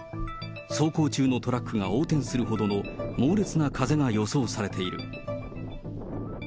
走行中のトラックが横転するほどの猛烈な風が予想されている。